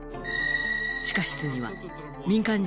地下室には民間人